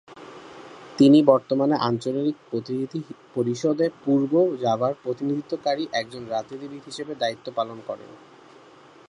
তিনি বর্তমানে আঞ্চলিক প্রতিনিধি পরিষদ-এ পূর্ব জাভার প্রতিনিধিত্বকারী একজন রাজনীতিবিদ হিসেবে দায়িত্ব পালন করেন।